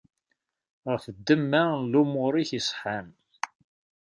Ɣef ddemma n lumuṛ-ik iṣeḥḥan.